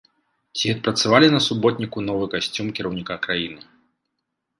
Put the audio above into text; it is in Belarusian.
Ці адпрацавалі на суботніку новы касцюм кіраўніка краіны?